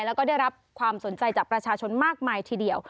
แล้วก็ได้รับความสนใจจากประชาชนมากมายทีเดียว